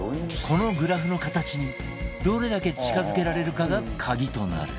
このグラフの形にどれだけ近付けられるかが鍵となる